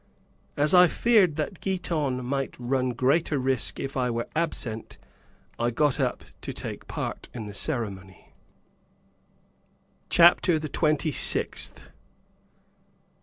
As I feared that Giton might run greater risk if I were absent, I got up to take part in the ceremony. CHAPTER THE TWENTY SIXTH.